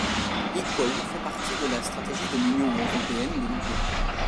Equal fait partie de la stratégie de l’Union européenne de l’Emploi.